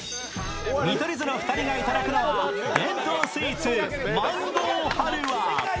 見取り図の２人がいただくのは伝統スイーツ、マンゴーハルワ。